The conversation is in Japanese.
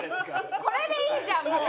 これでいいじゃんもう。